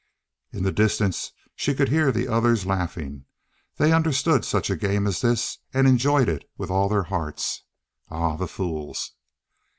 In the distance she could hear the others laughing they understood such a game as this, and enjoyed it with all their hearts. Ah, the fools!